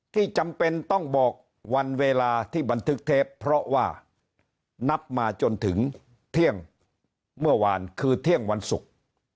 จำเป็นต้องบอกวันเวลาที่บันทึกเทปเพราะว่านับมาจนถึงเที่ยงเมื่อวานคือเที่ยงวันศุกร์